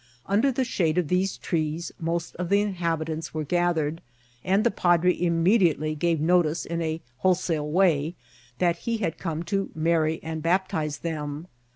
Under the shade of these trees most of the inhabitants were gathered, and the padre imme* diately gave notice, in a wholesale way, that he had come to marry and baptize them.